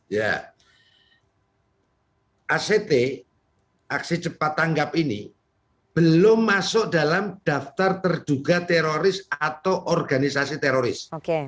ya act aksi cepat tanggap ini belum masuk dalam daftar terduga teroris atau organisasi teroris